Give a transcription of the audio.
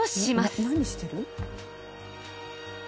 何してる？